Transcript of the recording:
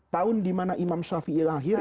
tahun dimana imam shafi'i lahir